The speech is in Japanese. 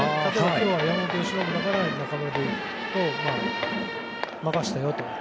今日は山本由伸だから中村悠平に任せたよと。